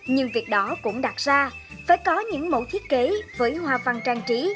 nhưng việc đó cũng đặt ra phải có những mẫu thiết kế với hoa văn trang trí